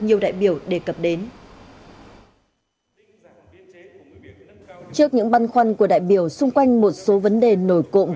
nhiều đại biểu đề cập đến trước những băn khoăn của đại biểu xung quanh một số vấn đề nổi cộng